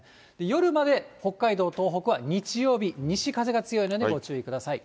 夜まで北海道、東北は日曜日、西風が強いのでご注意ください。